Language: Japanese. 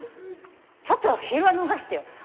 ちょっとヒールは脱がしてよ。